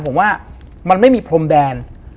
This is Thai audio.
ผมว่ามันไม่มีพรมแดน